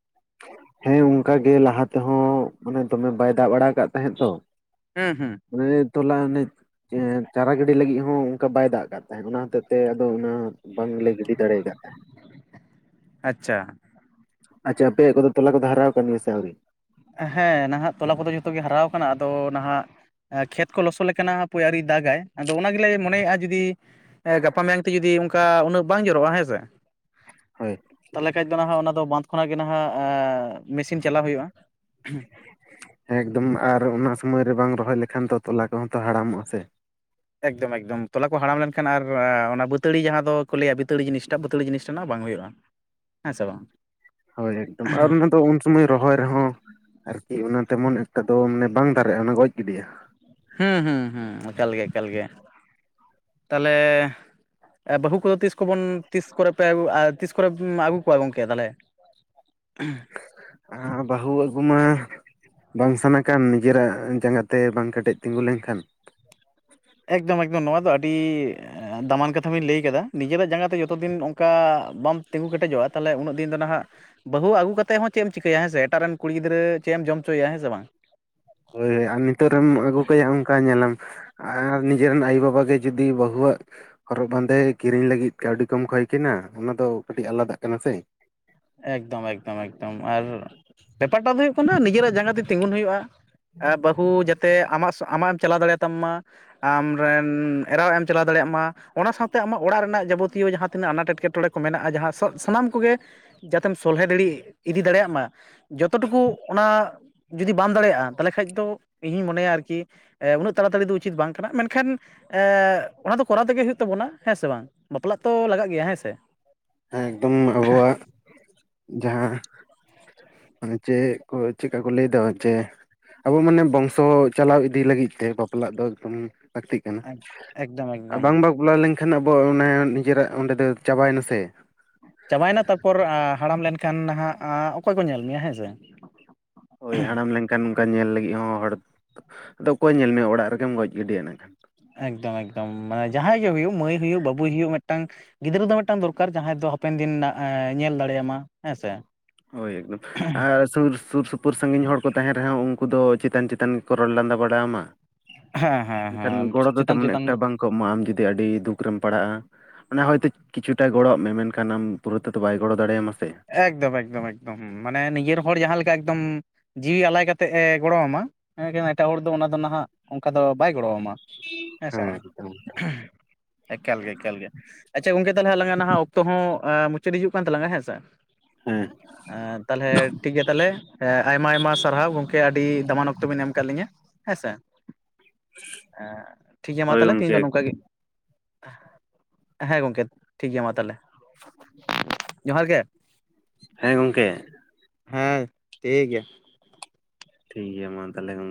ᱦᱮᱸ ᱚᱱᱠᱟ ᱜᱮ ᱞᱟᱦᱟ ᱛᱮᱦᱚᱸᱻ ᱢᱟᱱᱮ ᱫᱚᱢᱮ ᱵᱟᱭ ᱫᱟᱜ ᱵᱟᱲᱟ ᱟᱠᱟᱫ ᱛᱟᱦᱮᱸᱫ ᱛᱚ ᱾ ᱦᱮᱸ ᱦᱮᱸ ᱾ ᱢᱟᱱᱮ ᱛᱚᱞᱟ ᱚᱱᱮᱡ ᱮᱸᱻ ᱪᱟᱨᱟ ᱜᱤᱰᱤ ᱞᱟᱹᱜᱤᱫ ᱦᱚᱸ ᱚᱱᱠᱟ ᱵᱟᱭ ᱫᱟᱜ ᱟᱠᱟᱜ ᱛᱟᱦᱮᱸᱫ ᱾ ᱚᱱᱟ ᱦᱚᱛᱮᱜ ᱛᱮ ᱟᱫᱚ ᱚᱱᱟ ᱵᱟᱝᱞᱮ ᱜᱤᱰᱤ ᱫᱟᱲᱮ ᱟᱠᱟᱫ-ᱟ ᱾ (inaudible) ᱟᱪᱪᱷᱟ ᱾ ᱟᱪᱪᱷᱟ ᱟᱯᱮᱭᱟᱜ ᱠᱚᱫᱚ ᱛᱚᱞᱟ ᱠᱚᱫᱚ ᱦᱟᱨᱟᱣ ᱟᱠᱟᱱ ᱜᱮᱭᱟ ᱥᱮ ᱟᱹᱣᱨᱤ? ᱦᱮᱸ ᱱᱟᱦᱟᱜ ᱛᱚᱞᱟ ᱠᱚᱫᱚ ᱡᱚᱛᱚ ᱜᱮ ᱦᱟᱨᱟᱣ ᱟᱠᱟᱱᱟ ᱾ ᱟᱫᱚ ᱱᱟᱦᱟᱜ ᱮ ᱠᱷᱮᱛ ᱠᱚ ᱞᱚᱥᱚᱫ ᱞᱮᱠᱟᱱᱟᱜ ᱦᱟᱯᱳᱭ ᱟᱹᱣᱨᱤᱭ ᱫᱟᱜᱟᱭ, ᱟᱫᱚ ᱚᱱᱟ ᱜᱮᱞᱮ ᱢᱚᱱᱮᱜ-ᱟ ᱡᱩᱫᱤ ᱜᱟᱯᱟ ᱢᱮᱭᱟᱝ ᱛᱮ ᱡᱩᱫᱤ ᱚᱱᱠᱟ ᱩᱱᱟᱹᱜ ᱵᱟᱝ ᱡᱚᱨᱚᱜ-ᱟ ᱦᱮᱸ ᱥᱮ (inaudible) ᱦᱳᱭ ᱾ ᱛᱟᱦᱚᱞᱮ ᱠᱷᱟᱡ ᱫᱚ ᱱᱟᱦᱟᱜ ᱚᱱᱟ ᱫᱚ ᱵᱟᱸᱫᱷ ᱠᱷᱚᱱᱟᱜ ᱜᱮ ᱱᱟᱦᱟᱜ ᱮᱻ ᱢᱮᱥᱤᱱ ᱪᱟᱞᱟᱣ ᱦᱩᱭᱩᱜ-ᱟ ᱾ (inaudible) ᱮᱠᱫᱚᱢ ᱟᱨ ᱚᱱᱟ ᱥᱚᱢᱚᱭ ᱨᱮ ᱵᱟᱝ ᱨᱚᱦᱚᱭ ᱞᱮᱠᱷᱟᱱ ᱛᱚ ᱛᱚᱞᱟ ᱠᱚᱦᱚᱸ ᱛᱚ ᱦᱟᱲᱟᱢᱚᱜ-ᱟ ᱥᱮ ᱾ ᱮᱠᱫᱚᱢ ᱮᱠᱫᱚᱢ ᱛᱚᱞᱟ ᱠᱚ ᱦᱟᱲᱟᱢ ᱞᱮᱱᱠᱷᱟᱱ ᱟᱨ ᱚᱱᱟ ᱵᱟᱹᱛᱟᱹᱲᱤ ᱡᱟᱦᱟᱸ ᱫᱚᱠᱚ ᱞᱟᱹᱭᱟ ᱵᱟᱹᱛᱟᱹᱲᱤ ᱡᱤᱱᱤᱥᱴᱟᱜ ᱵᱟᱹᱛᱟᱹᱲᱤ ᱡᱤᱱᱤᱥᱴᱟᱜ ᱱᱟᱜ ᱵᱟᱝ ᱦᱩᱭᱩᱜ-ᱟ, ᱦᱮᱸ ᱥᱮ ᱵᱟᱝ ᱾ ᱦᱳᱭ ᱮᱠᱫᱚᱢ ᱾ ᱟᱨ ᱚᱱᱟ ᱫᱚ ᱩᱱ ᱥᱚᱢᱚᱭ ᱨᱚᱦᱚᱭ ᱨᱮᱦᱚᱸ ᱟᱨᱠᱤ ᱚᱱᱟ ᱛᱮᱢᱚᱱ ᱮᱠᱴᱟ ᱫᱚ ᱢᱟᱱᱮ ᱵᱟᱝ ᱫᱟᱨᱮᱜ-ᱟ ᱚᱱᱟ ᱜᱚᱡ ᱜᱤᱰᱤᱜ-ᱟ ᱾ ᱦᱮᱸ ᱦᱩᱸ ᱮᱠᱟᱞ ᱜᱮ ᱮᱠᱟᱞ ᱜᱮ ᱾ (inaudible) ᱛᱟᱦᱚᱞᱮ ᱵᱟᱹᱦᱩ ᱠᱚᱫᱚ ᱛᱤᱥ ᱠᱚᱵᱚᱱ ᱛᱤᱥ ᱠᱚᱨᱮ ᱯᱮ ᱛᱤᱥ ᱠᱚᱨᱮ ᱟᱹᱜᱩ ᱠᱚᱣᱟ ᱜᱚᱢᱠᱮ ᱛᱟᱦᱚᱞᱮ? (inaudible) (inaudible) ᱟᱻ ᱵᱟᱹᱦᱩ ᱟᱹᱜᱩ ᱢᱟ ᱵᱟᱝ ᱥᱟᱱᱟ ᱠᱟᱱ ᱱᱤᱡᱮᱨᱟᱜ ᱡᱟᱸᱜᱟ ᱛᱮ ᱵᱟᱝ ᱠᱮᱴᱮᱡ ᱛᱤᱸᱜᱩ ᱞᱮᱱᱠᱷᱟᱱ ᱮᱠᱫᱚᱢ ᱮᱠᱫᱚᱢ ᱱᱚᱣᱟ ᱫᱚ ᱟᱹᱰᱤ ᱫᱟᱢᱟᱱ ᱠᱟᱛᱷᱟ ᱵᱤᱱ ᱞᱟᱹᱭ ᱠᱟᱫᱟ ᱱᱤᱡᱮᱨᱟᱜ ᱡᱟᱸᱜᱟ ᱛᱮ ᱡᱚᱛᱚ ᱫᱤᱱ ᱚᱱᱠᱟ ᱵᱟᱢ ᱛᱤᱸᱜᱩ ᱠᱮᱴᱮᱡᱚᱜᱼᱟ ᱛᱟᱦᱚᱞᱮ ᱩᱱᱟᱹᱜ ᱫᱤᱱ ᱫᱚ ᱱᱟᱦᱟᱸᱜ ᱵᱟᱹᱦᱩ ᱟᱹᱜᱩ ᱠᱟᱛᱮᱜ ᱦᱚᱸ ᱪᱮᱜ ᱮᱢ ᱪᱤᱠᱟᱹᱭᱟ ᱦᱮᱸ ᱥᱮ ᱮᱴᱟᱜ ᱨᱮᱱ ᱠᱩᱲᱤ ᱜᱤᱫᱽᱨᱟᱹ ᱪᱮᱜ ᱮᱢ ᱡᱚᱢ ᱚᱪᱚᱭᱟ ᱦᱮᱸ ᱥᱮ ᱵᱟᱝ᱾ ᱦᱳᱭ ᱦᱳᱭ ᱟᱨ ᱱᱤᱛᱚᱜ ᱨᱮᱢ ᱟᱹᱜᱩ ᱠᱟᱭᱟ ᱚᱱᱠᱟ ᱧᱮᱞᱟᱢ ᱟᱨ ᱱᱤᱡᱮᱨ ᱨᱮᱱ ᱟᱭᱳᱼᱵᱟᱵᱟ ᱜᱮ ᱡᱩᱫᱤ ᱵᱟᱹᱦᱩᱣᱟᱜ ᱦᱚᱨᱚᱜ ᱵᱟᱸᱫᱮ ᱠᱤᱨᱤᱧ ᱞᱟᱹᱜᱤᱫ ᱠᱟᱹᱣᱰᱤ ᱠᱚᱢ ᱠᱚᱭ ᱠᱤᱱᱟ ᱚᱱᱟ ᱫᱚ ᱠᱟᱹᱴᱤᱜ ᱟᱞᱟᱫᱟᱜ ᱠᱟᱱᱟ ᱥᱮ, ᱮᱠᱫᱚᱢ ᱮᱠᱫᱚᱢ ᱮᱠᱫᱚᱢ ᱟᱨ ᱵᱮᱯᱟᱨ ᱴᱟᱜ ᱫᱚ ᱦᱩᱭᱩᱜ ᱠᱟᱱᱟ ᱱᱤᱡᱮᱨᱟᱜ ᱡᱟᱸᱜᱟ ᱛᱮ ᱛᱤᱸᱜᱩᱱ ᱦᱩᱭᱩᱜᱼᱟ᱾ ᱟ ᱵᱟᱹᱦᱩ ᱡᱟᱛᱮᱜ ᱟᱢᱟᱜ ᱟᱢᱟᱜ ᱮᱢ ᱪᱟᱞᱟᱣ ᱫᱟᱲᱮᱭᱟᱜ ᱛᱟᱢ ᱢᱟ ᱟᱢᱨᱮᱱ ᱮᱨᱟᱣ ᱮᱢ ᱪᱟᱞᱟᱣ ᱫᱟᱲᱮᱭᱟᱜ ᱢᱟ ᱚᱱᱟ ᱥᱟᱶᱛᱮ ᱟᱢᱟᱜ ᱚᱲᱟᱜ ᱨᱮᱱᱟᱜ ᱡᱟᱵᱚᱛᱤᱭᱚ ᱡᱟᱦᱟᱸ ᱛᱤᱱᱟᱹᱜ ᱟᱱᱟᱴ ᱮᱴᱠᱮᱴᱚᱬᱮ ᱠᱚ ᱢᱮᱱᱟᱜᱼᱟ ᱡᱟᱦᱟᱸ ᱥᱚᱜ ᱥᱟᱱᱟᱢ ᱠᱚᱜᱮ ᱡᱟᱛᱮᱢ ᱥᱚᱞᱦᱮ ᱫᱟᱲᱤ ᱤᱫᱤ ᱫᱟᱲᱮᱭᱟᱜ ᱢᱟ᱾ ᱡᱚᱛᱚ ᱴᱩᱠᱩ ᱚᱱᱟ ᱡᱩᱫᱤ ᱵᱟᱢ ᱫᱟᱲᱮᱭᱟᱜᱼᱟ ᱛᱟᱦᱚᱞᱮ ᱠᱷᱟᱭ ᱫᱚ ᱤᱧᱦᱚᱸᱧ ᱢᱚᱱᱮᱭᱟ ᱟᱨᱠᱤ ᱮ ᱩᱱᱟᱹᱜ ᱛᱟᱲᱟ ᱛᱟᱲᱤ ᱫᱚ ᱩᱪᱤᱛ ᱵᱟᱝ ᱠᱟᱱᱟ ᱢᱮᱱᱠᱷᱟᱱ ᱮ ᱚᱱᱟ ᱫᱚ ᱠᱚᱨᱟᱣ ᱛᱮᱜᱮ ᱦᱩᱭᱩᱜ ᱛᱟᱵᱚᱱᱟ ᱦᱮᱸ ᱥᱮ ᱵᱟᱝ ᱵᱟᱯᱞᱟᱜ ᱛᱚ ᱞᱟᱜᱟᱜ ᱜᱮᱭᱟ ᱦᱮᱸ ᱥᱮ᱾ ᱮᱠᱫᱚᱢ ᱟᱵᱚᱣᱟᱜ ᱡᱟᱦᱟᱸ ᱢᱟᱱᱮ ᱪᱮᱜ ᱠᱚ ᱪᱮᱠᱟ ᱠᱚ ᱞᱟᱹᱭ ᱫᱚ ᱡᱮ ᱟᱵᱚ ᱢᱟᱱᱮ ᱵᱚᱝᱥᱚ ᱪᱟᱞᱟᱣ ᱤᱫᱤ ᱞᱟᱹᱜᱤᱫ ᱛᱮ ᱵᱟᱯᱞᱟᱜ ᱫᱚ ᱮᱠᱫᱚᱢ ᱞᱟᱹᱠᱛᱤᱜ ᱠᱟᱱᱟ ᱮᱠᱫᱚᱢ ᱟᱨ ᱮᱠᱫᱚᱢ ᱵᱟᱝ ᱵᱟᱯᱞᱟ ᱞᱮᱱᱠᱷᱟᱱ ᱟᱵᱚ ᱚᱱᱟ ᱱᱤᱡᱮᱨᱟᱜ ᱚᱸᱰᱮ ᱫᱚ ᱪᱟᱵᱟᱭ ᱱᱟ ᱥᱮ, ᱪᱟᱵᱟᱭ ᱱᱟ ᱛᱟᱨᱯᱚᱨ ᱦᱟᱲᱟᱢ ᱞᱮᱱᱠᱷᱟᱱ ᱱᱟᱦᱟᱸᱜ ᱚᱠᱚᱭ ᱠᱚ ᱧᱮᱞ ᱢᱮᱭᱟ ᱦᱮᱸ ᱥᱮ᱾ ᱦᱳᱭ ᱦᱟᱲᱟᱢ ᱞᱮᱱᱠᱷᱟᱱ ᱚᱱᱠᱟ ᱧᱮᱞ ᱞᱟᱹᱜᱤᱜ ᱦᱚᱸ ᱦᱚᱲ ᱟᱫᱚ ᱚᱠᱚᱭ ᱧᱮᱞ ᱢᱮᱭᱟ ᱚᱲᱟᱜ ᱨᱮᱜᱮᱢ ᱜᱚᱡ ᱜᱤᱰᱤᱭᱟ ᱤᱱᱟᱹ ᱠᱷᱟᱱ᱾ ᱮᱠᱫᱚᱢ ᱮᱠᱫᱚᱢ ᱢᱟᱱᱮ ᱡᱟᱦᱟᱸᱭ ᱜᱮ ᱦᱩᱭᱩᱜ ᱢᱟᱹᱭ ᱦᱩᱭᱩᱜ ᱵᱟᱹᱵᱩᱭ ᱦᱩᱭᱩᱜ ᱢᱤᱜᱴᱟᱝ ᱜᱤᱫᱽᱨᱟᱹ ᱫᱚ ᱢᱤᱜᱴᱟᱝ ᱫᱚᱨᱠᱟᱨ ᱡᱟᱦᱟᱸᱭ ᱫᱚ ᱦᱟᱯᱮᱱ ᱫᱤᱱ ᱱᱟᱜ ᱮ ᱧᱮᱞ ᱫᱟᱲᱮᱭᱟᱢᱟ ᱦᱮᱸ ᱥᱮ᱾ ᱦᱳᱭ ᱮᱠᱫᱚᱢ ᱟᱨ ᱥᱩᱨ ᱥᱩᱨ ᱥᱩ ᱯᱩᱨ ᱥᱟᱺᱜᱤᱧ ᱦᱚᱲ ᱠᱚ ᱛᱟᱦᱮᱸᱱ ᱨᱮᱦᱚᱸ ᱩᱱᱠᱩ ᱫᱚ ᱪᱮᱛᱟᱱ ᱪᱮᱛᱟᱱ ᱜᱮᱠᱚ ᱨᱚᱲ ᱞᱟᱸᱫᱟ ᱵᱟᱲᱟᱣ ᱢᱟ ᱦᱮᱸ ᱦᱮᱸ ᱮᱱᱠᱷᱟᱱ ᱦᱮᱸ ᱜᱚᱲᱚ ᱫᱚ ᱪᱮᱛᱟᱱ ᱛᱮᱢᱚᱱ ᱪᱮᱛᱟᱱ ᱮᱠᱴᱟ ᱵᱟᱝ ᱠᱚ ᱮᱢᱚᱜᱼᱟ ᱟᱢ ᱡᱩᱫᱤ ᱟᱹᱰᱤ ᱫᱩᱠ ᱨᱮᱢ ᱯᱟᱲᱟᱜᱼᱟ ᱚᱱᱟ ᱦᱚᱭᱛᱚ ᱠᱤᱪᱷᱩ ᱴᱟᱜ ᱜᱚᱲᱚᱣᱟᱜ ᱢᱮ ᱢᱮᱱᱠᱷᱟᱱ ᱟᱢ ᱯᱩᱨᱟᱹ ᱛᱮᱫᱚ ᱵᱟᱭ ᱜᱚᱲᱚ ᱫᱟᱲᱮᱭᱟᱢᱟ ᱥᱮ᱾ ᱮᱠᱫᱚᱢ ᱮᱠᱫᱚᱢ ᱮᱠᱫᱚᱢ ᱦᱩᱸ ᱢᱟᱱᱮ ᱱᱤᱡᱮᱨ ᱦᱚᱲ ᱡᱟᱦᱟᱸ ᱞᱮᱠᱟ ᱮᱠᱫᱚᱢ ᱡᱤᱣᱤ ᱟᱞᱟᱭ ᱠᱟᱛᱮᱜ ᱮ ᱜᱚᱲᱚ ᱟᱢᱟ ᱮᱸᱠᱷᱟᱱ ᱮᱴᱟᱜ ᱦᱚᱲ ᱫᱚ ᱚᱱᱟ ᱫᱚ ᱱᱟᱦᱟᱸᱜ ᱚᱱᱠᱟ ᱫᱚ ᱵᱟᱭ ᱜᱚᱲᱚ ᱣᱟᱢᱟ᱾ ᱦᱮᱸ ᱥᱮ ᱵᱟᱝ, ᱮᱠᱟᱞ ᱜᱮ ᱮᱠᱟᱞ ᱜᱮ ᱟᱪᱪᱷᱟ ᱜᱚᱝᱠᱮ ᱛᱟᱦᱚᱞᱮ ᱟᱞᱟᱝᱟ ᱱᱟᱦᱟᱸᱜ ᱚᱠᱛ ᱦᱚᱸ ᱟᱸ ᱢᱩᱪᱟᱹᱫ ᱦᱤᱡᱩᱜ ᱠᱟᱱ ᱛᱟᱞᱟᱝᱟ ᱦᱮᱸ ᱥᱮ ᱦᱮᱸ᱾ ᱮᱸ ᱛᱟᱦᱚᱞᱮ ᱴᱷᱤᱠ ᱜᱮᱭᱟ ᱛᱟᱦᱚᱞᱮ ᱮ ᱟᱭᱢᱟ ᱟᱭᱢᱟ ᱥᱟᱨᱦᱟᱣ ᱜᱚᱝᱠᱮ ᱟᱹᱰᱤ ᱫᱟᱢᱟᱱ ᱚᱠᱛᱚ ᱵᱮᱱ ᱮᱢ ᱠᱟᱜ ᱞᱤᱧᱟᱹ ᱦᱮᱸᱥᱮ ᱮᱸ ᱴᱷᱤᱠ ᱜᱮᱭᱟ ᱢᱟ ᱦᱳᱭ ᱛᱟᱦᱚᱞᱮ ᱛᱮᱤᱦᱮᱧ ᱜᱚᱝᱠᱮ ᱫᱚ ᱱᱚᱝᱠᱟ ᱠᱟᱹ ᱜᱮ᱾ ᱦᱮᱸ ᱦᱮᱸ ᱜᱚᱝᱠᱮ ᱴᱷᱤᱠ ᱜᱮᱭᱟ ᱢᱟ ᱛᱟᱦᱚᱞᱮ ᱡᱚᱦᱟᱨ ᱜᱮ᱾ ᱦᱮᱸ ᱜᱚᱝᱠᱮ, ᱦᱮᱸ ᱴᱷᱤᱠ ᱜᱮᱭᱟ᱾ ᱴᱷᱤᱠ ᱜᱮᱭᱟ ᱢᱟ ᱛᱟᱦᱚᱞᱮ ᱜᱚᱝᱠᱮ,